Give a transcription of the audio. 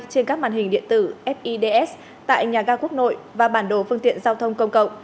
trên các màn hình điện tử fids tại nhà ga quốc nội và bản đồ phương tiện giao thông công cộng